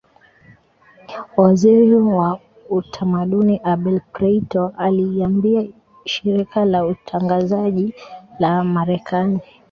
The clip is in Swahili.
waziri wa utamaduni Abel Prieto aliiambia shirika la utangazaji la marekani